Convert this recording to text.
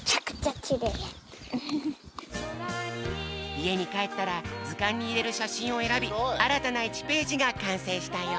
いえにかえったらずかんにいれるしゃしんをえらびあらたな１ページがかんせいしたよ。